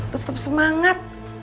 lu tetep semangat